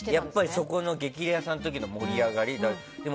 そこの「激レアさん」の時の盛り上がり。